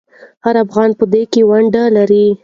هر افغان په دې کې ونډه لري.